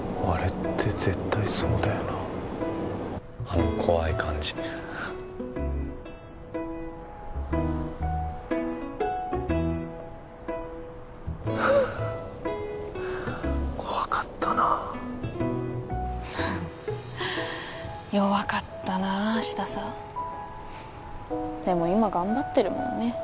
あれって絶対そうだよなあの怖い感じ怖かったな弱かったな芦田さんでも今頑張ってるもんね